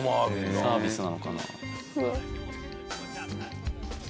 サービスなのかな？